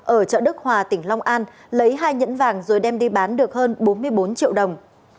ở chợ đức hòa tỉnh long an lấy hai nhẫn vàng rồi đem đi bán được hơn bốn mươi bốn triệu đồng